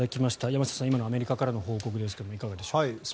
山下さん、今のアメリカからの報告ですがいかがでしょう。